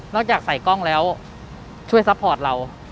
จากใส่กล้องแล้วช่วยซัพพอร์ตเรา